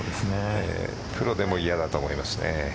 プロでも嫌だと思いますね。